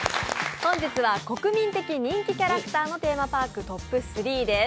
本日は国民的人気キャラクターのテーマパークランキングトップ３です。